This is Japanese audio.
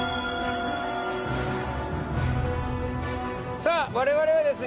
さぁ我々はですね